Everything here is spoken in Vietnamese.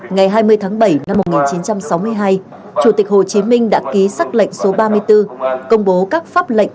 ngày hai mươi tháng bảy năm một nghìn chín trăm sáu mươi hai chủ tịch hồ chí minh đã ký xác lệnh số ba mươi bốn công bố các pháp lệnh